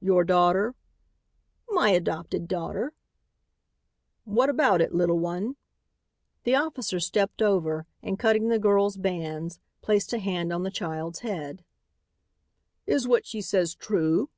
"Your daughter?" "My adopted daughter." "What about it, little one?" the officer stepped over, and cutting the girl's bands, placed a hand on the child's head. "Is what she says true?"